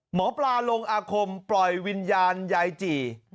หมอปลาลงอาคมปล่อยวิญญาณยายจี่